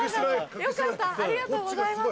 よかったありがとうございます。